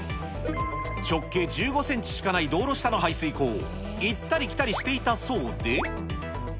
直径１５センチしかない道路下の排水溝を行ったり来たりしていたそうで。